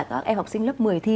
các em học sinh lớp một mươi thi